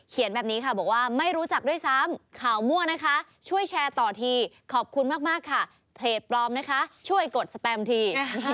แบบนี้ค่ะบอกว่าไม่รู้จักด้วยซ้ำข่าวมั่วนะคะช่วยแชร์ต่อทีขอบคุณมากค่ะเพจปลอมนะคะช่วยกดสแปมที